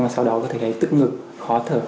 sau đó có thể thấy tức ngực khó thở